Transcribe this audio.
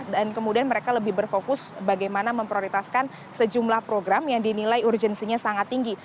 dan kemudian mereka lebih berfokus bagaimana memprioritaskan sejumlah program yang dinilai urgensinya sangat tinggi